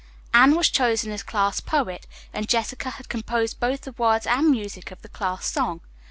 Anne was chosen as class poet, and Jessica had composed both the words and music of the class song.